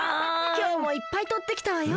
きょうもいっぱいとってきたわよ。